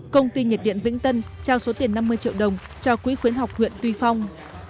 công ty nhiệt điện vĩnh tân trao số tiền năm mươi triệu đồng cho quỹ khuyến học huyện tuy phong